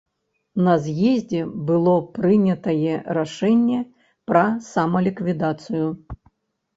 На з'ездзе было прынятае рашэнне пра самаліквідацыю.